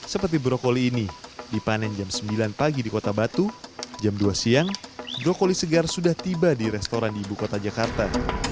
seperti brokoli ini dipanen jam sembilan pagi di kota batu jam dua siang brokoli segar sudah tiba di restoran di ibu kota jakarta